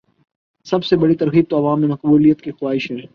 سب سے بڑی ترغیب تو عوام میں مقبولیت کی خواہش ہے۔